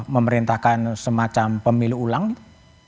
memerintahkan semacam pemilu ulang gitu